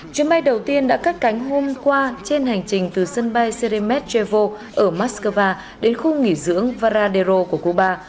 chuyến bay đầu tiên đã cắt cánh hôm qua trên hành trình từ sân bay seremes travo ở moscow đến khu nghỉ dưỡng varadero của cuba